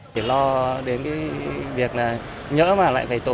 chỉ lo đến cái việc là nhỡ mà lại phải trở lại